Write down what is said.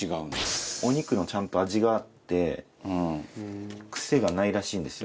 お肉のちゃんと味があって癖がないらしいんですよ